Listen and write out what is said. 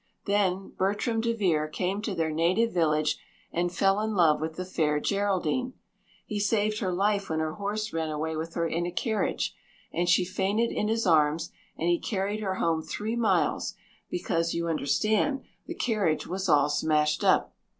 Then Bertram DeVere came to their native village and fell in love with the fair Geraldine. He saved her life when her horse ran away with her in a carriage, and she fainted in his arms and he carried her home three miles; because, you understand, the carriage was all smashed up.